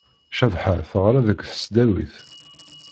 Cabḥa teɣra deg tesdawit.